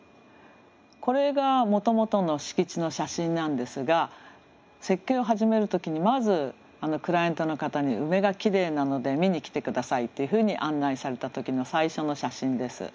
これがもともとの敷地の写真なんですが設計を始める時にまずクライアントの方に梅がきれいなので見に来て下さいというふうに案内された時の最初の写真です。